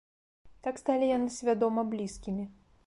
Так сталі яны свядома блізкімі.